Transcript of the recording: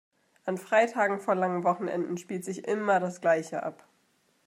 An Freitagen vor langen Wochenenden spielt sich immer das Gleiche ab.